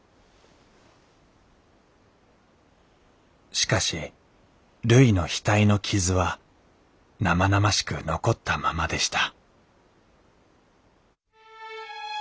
しかしるいの額の傷は生々しく残ったままでした